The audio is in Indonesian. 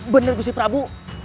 benar gusti prabu